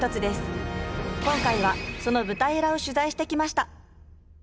今回はその舞台裏を取材してきました